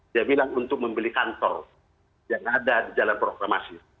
dia bilang untuk membeli kantor yang ada di jalan proklamasi